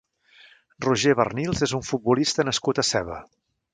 Roger Barnils és un futbolista nascut a Seva.